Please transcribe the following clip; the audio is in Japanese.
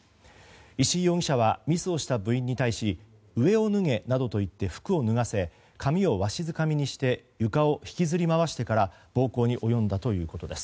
石井容疑者はミスをした部員に対し上を脱げなどと言って服を脱がせ髪をわしづかみにして床を引きずり回してから暴行に及んだということです。